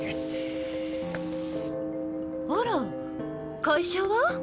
あら会社は？